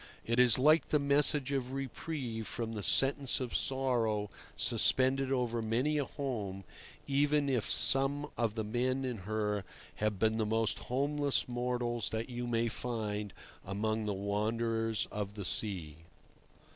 It is like the message of reprieve from the sentence of sorrow suspended over many a home, even if some of the men in her have been the most homeless mortals that you may find among the wanderers of the sea.